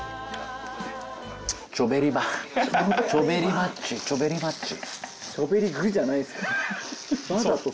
チョベリバッチュチョベリバッチュ。